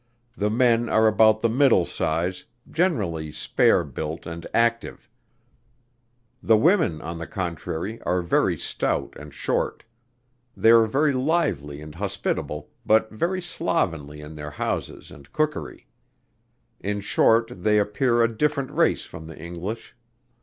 The men are about the middle size, generally spare built and active; the women, on the contrary, are very stout and short. They are very lively and hospitable, but very slovenly in their houses and cookery. In short, they appear a different race from the English.